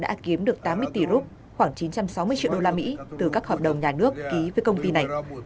đã kiếm được tám mươi tỷ rút khoảng chín trăm sáu mươi triệu đô la mỹ từ các hợp đồng nhà nước ký với công ty này